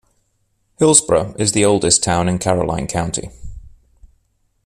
Hillsboro is the oldest town in Caroline County.